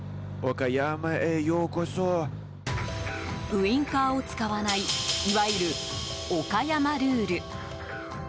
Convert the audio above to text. ウィンカーを使わないいわゆる岡山ルール。